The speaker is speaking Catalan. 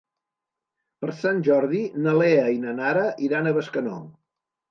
Per Sant Jordi na Lea i na Nara iran a Bescanó.